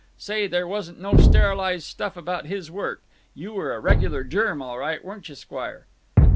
Say, there wasn't no sterilized stuff about his work. You were a regular germ, all right, weren't you squire?"